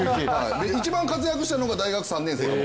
一番活躍したのが大学３年生で。